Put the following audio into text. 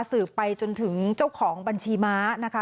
สืบไปจนถึงเจ้าของบัญชีม้านะคะ